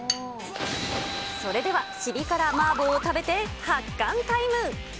それではシビ辛麻婆を食べて、発汗タイム。